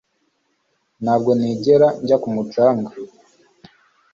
Ntabwo nigera njya ku mucanga